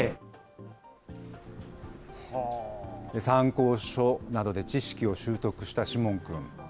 参考書などで知識を習得したシモン君。